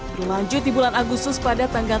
berlanjut di bulan agus sus pada tanggal tiga